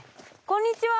こんにちは！